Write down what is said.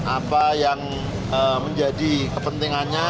apa yang menjadi kepentingannya